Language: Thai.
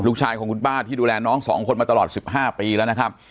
ลูกชายของคุณป้าที่ดูแลน้องสองคนมาตลอด๑๕ปีแล้วนะครับ